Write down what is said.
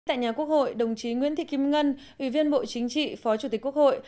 tại nhà quốc hội đồng chí nguyễn thị kim ngân ủy viên bộ chính trị phó chủ tịch quốc hội